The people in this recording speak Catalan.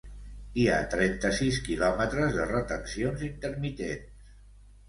Hi ha trenta-sis quilòmetres de retencions intermitents.